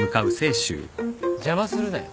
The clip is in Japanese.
邪魔するなよ。